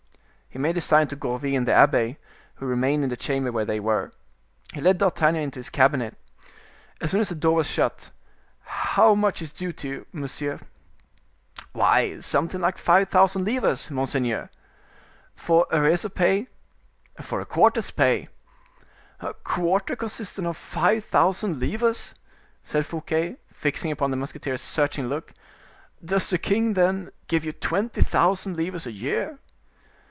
He made a sign to Gourville and the abbe, who remained in the chamber where they were. He led D'Artagnan into his cabinet. As soon as the door was shut,—"how much is due to you, monsieur?" "Why, something like five thousand livres, monseigneur." "For arrears of pay?" "For a quarter's pay." "A quarter consisting of five thousand livres!" said Fouquet, fixing upon the musketeer a searching look. "Does the king, then, give you twenty thousand livres a year?"